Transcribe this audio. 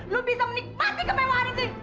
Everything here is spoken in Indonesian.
lu bisa menikmati kemewahan itu